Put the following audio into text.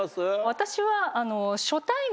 私は。